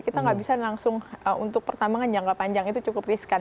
kita nggak bisa langsung untuk pertambangan jangka panjang itu cukup riskan